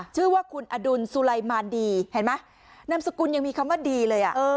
ชื่อว่าคุณอดุลสุไลมารดีเห็นไหมนามสกุลยังมีคำว่าดีเลยอ่ะ